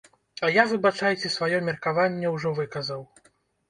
А я, выбачайце, сваё меркаванне ўжо выказаў.